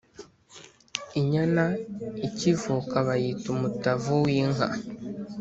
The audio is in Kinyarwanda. Inyana ikivuka bayita Umutavu w’inka